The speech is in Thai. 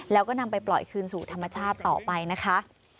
แล้วก็นำไปปล่อยคืนสู่ธรรมชาติต่อไปนะคะ